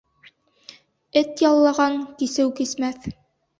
Эт яллаған кисеү кисмәҫ.